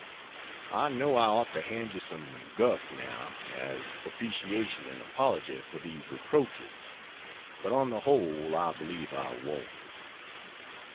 I know I ought to hand you some guff, now, as propitiation and apology for these reproaches, but on the whole I believe I won't.